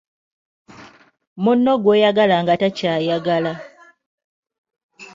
Munno gw’oyagala nga takyayagala